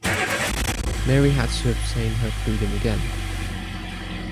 Mary had to obtain her freedom again.